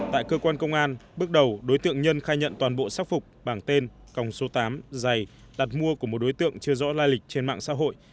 tại cơ quan công an bước đầu đối tượng nhân khai nhận toàn bộ sắc phục bảng tên còng số tám giày đặt mua của một đối tượng chưa rõ lai lịch trên mạng xã hội